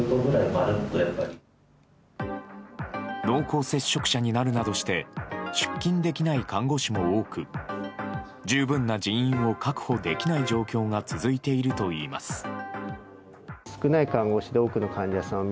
濃厚接触者になるなどして出勤できない看護師も多く十分な人員を確保できない状況が続いているといいます。